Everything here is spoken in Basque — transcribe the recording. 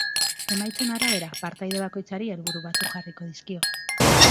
Emaitzen arabera, partaide bakoitzari helburu batzuk jarriko dizkio.